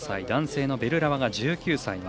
男性のベルラワが１９歳。